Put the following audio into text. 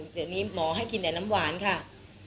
เดี๋ยวนี้หมอให้กินแต่น้ำหวานค่ะ